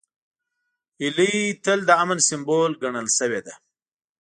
هیلۍ تل د امن سمبول ګڼل شوې ده